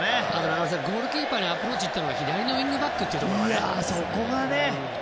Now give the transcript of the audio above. あと、ゴールキーパーにアプローチしたのが左のウィングバックというところがね。